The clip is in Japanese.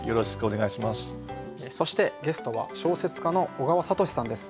そしてゲストは小説家の小川哲さんです。